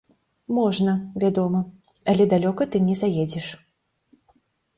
Можна, вядома, але далёка ты не заедзеш.